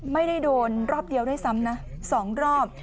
ไม่ได้โดนรอบเดียวด้วยซ้ำนะ๒รอบ